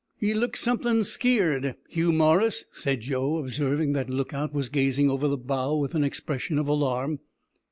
"Ye look somethin' skeared, Hugh Morris," said Joe, observing that the look out was gazing over the bow with an expression of alarm.